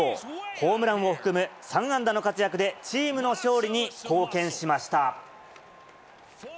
ホームランを含む３安打の活躍で、チームの勝利に貢献しました。